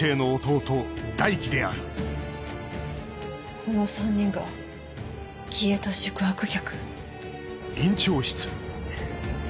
この３人が消えた宿泊客。